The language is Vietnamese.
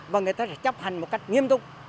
và người ta sẽ chấp hành một cách nghiêm túc